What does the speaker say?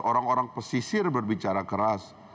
orang orang pesisir berbicara keras